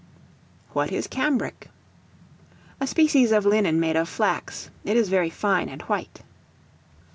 What is Cambric? A species of linen made of flax; it is very fine and white.